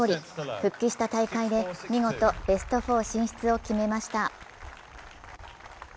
復帰した大会で見事ベスト４進出を決めました。